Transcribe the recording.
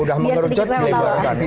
udah mengerucot dilebarkan